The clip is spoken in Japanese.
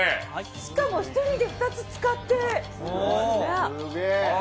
しかも１人で２つ使って、すごー。